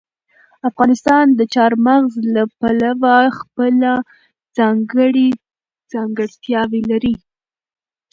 افغانستان د چار مغز له پلوه خپله ځانګړې ځانګړتیاوې لري.